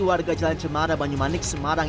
warga jalan cemara banyumanik semarang